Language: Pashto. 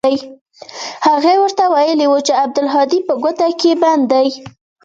هغه ورته ويلي و چې عبدالهادي په کوټه کښې بندي دى.